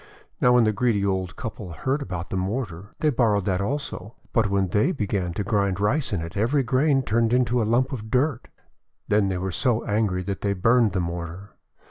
Now, when the greedy old couple heard about the mortar, they borrowed that also. But when they began to grind Rice in it, every grain turned into a lump of dirt. Then they were so angry that they burned the mortar.